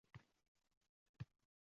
O‘q yedimi, beli sindimi